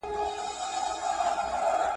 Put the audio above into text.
ده وویل چي پښتو زما په رګونو کي روانه ده.